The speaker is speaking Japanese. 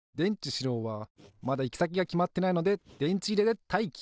しろうはまだいきさきがきまってないのででんちいれでたいき！